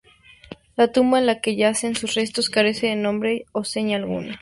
La tumba en la que yacen sus restos carece de nombre o seña alguna.